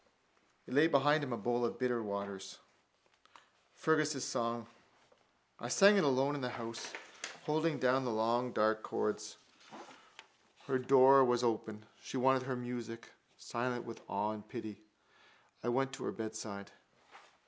It lay beneath him, a bowl of bitter waters. Fergus' song: I sang it alone in the house, holding down the long dark chords. Her door was open: she wanted to hear my music. Silent with awe and pity I went to her bedside.